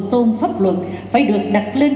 tôn pháp luật phải được đặt lên